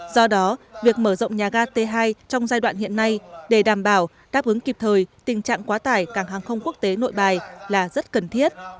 do đó việc mở rộng nhà ga t hai trong giai đoạn hiện nay để đảm bảo đáp ứng kịp thời tình trạng quá tải cảng hàng không quốc tế nội bài là rất cần thiết